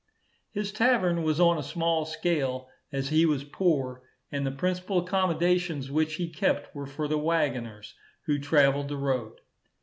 His tavern was on a small scale, as he was poor; and the principal accommodations which he kept, were for the waggoners who travelled the road.